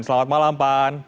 selamat malam pak an